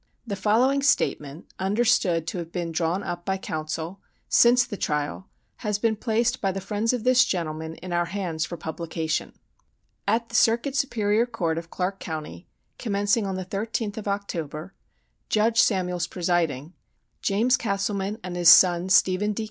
—The following statement, understood to have been drawn up by counsel, since the trial, has been placed by the friends of this gentleman in our hands for publication: "At the Circuit Superior Court of Clarke County, commencing on the 13th of October, Judge Samuels presiding, James Castleman and his son Stephen D.